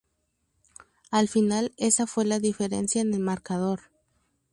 Al final esa fue la diferencia en el marcador.